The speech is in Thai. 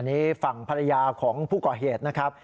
นี่ฝั่งภรรยาของผู้ก่อเหตุนะครับ